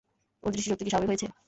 ওর দৃষ্টিশক্তি কি স্বাভাবিক হয়েছে?